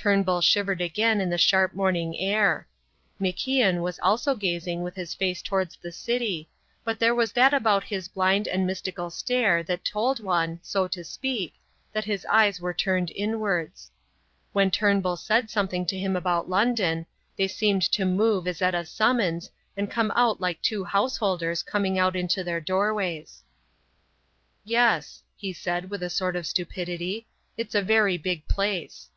Turnbull shivered again in the sharp morning air. MacIan was also gazing with his face towards the city, but there was that about his blind and mystical stare that told one, so to speak, that his eyes were turned inwards. When Turnbull said something to him about London, they seemed to move as at a summons and come out like two householders coming out into their doorways. "Yes," he said, with a sort of stupidity. "It's a very big place."